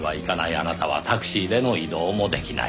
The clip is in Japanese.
あなたはタクシーでの移動もできない。